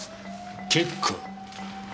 結構！